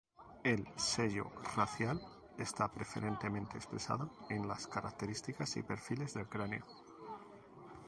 El sello racial está preferentemente expresado en las características y perfiles del cráneo.